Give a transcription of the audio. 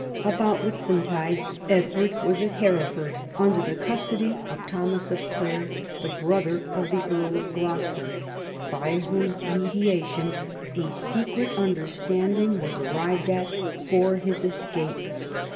Al)out Whitsuntide Edward was at Hereford, under the custody of Thomas of Clare, the brother of the Earl of Gloucester, by whose media tion a secret understanding was arrived at for his escape.